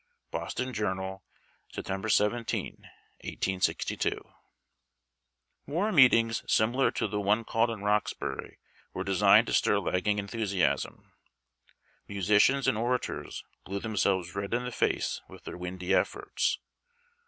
[Boston Journal, Sept. 17, 1862.] War meetings similar to the one called in Roxbiiry were designed to stir lagging enthusiasm. Musicians and orators blew themselves red in the face with their windy efforts.